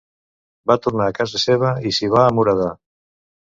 Va tornar a casa seva i s'hi va amuradar.